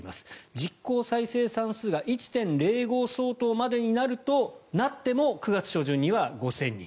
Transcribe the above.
実効再生産数が１．０５相当までになっても９月初旬には５０００人。